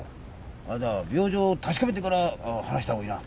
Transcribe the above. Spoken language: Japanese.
あれだ病状を確かめてから話したほうがいいな。